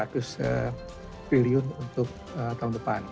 satu dua ratus triliun untuk tahun depan